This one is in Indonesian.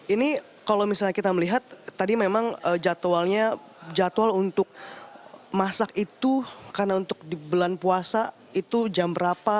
ini kalau misalnya kita melihat tadi memang jadwal untuk masak itu karena untuk di bulan puasa itu jam berapa